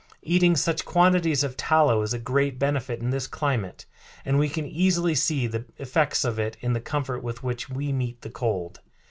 Eating such quantities of tallow is a great benefit in this climate, and we can easily see the effects of it in the comfort with which we meet the cold."